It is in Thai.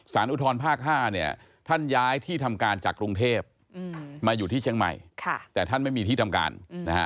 อุทธรภาค๕เนี่ยท่านย้ายที่ทำการจากกรุงเทพมาอยู่ที่เชียงใหม่แต่ท่านไม่มีที่ทำการนะฮะ